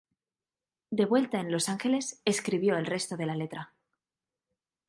De vuelta en Los Ángeles escribió el resto de la letra.